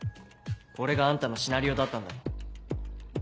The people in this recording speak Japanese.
これがあんたのシナリオだったんだろ？